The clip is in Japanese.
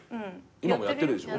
今もやってるでしょ？